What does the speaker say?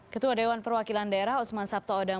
ketua dewan perwakilan daerah usman sabta odang